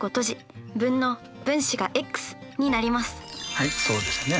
はいそうですね。